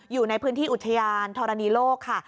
อยู่ในพื้นที่อุทยานธรณีโลกค่ะ